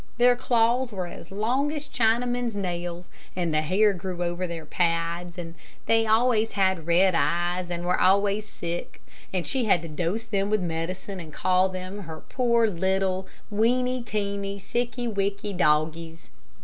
Their claws were as long as Chinamen's nails, and the hair grew over their pads, and they had red eyes and were always sick, and she had to dose them with medicine, and call them her poor, little, 'weeny teeny, sicky wicky doggies.'